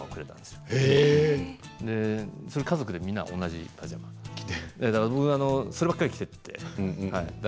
うちの家族でみんな同じパジャマでそればかり着ていて。